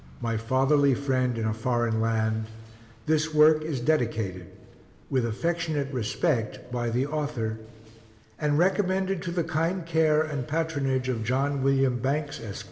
MY FATHERLY FRIEND IN A FOREIGN LAND, THIS WORK IS DEDICATED, WITH AFFECTIONATE RESPECT, BY THE AUTHOR: AND RECOMMENDED TO THE KIND CARE AND PATRONAGE OF JOHN WILLIAM BANKES, ESQ.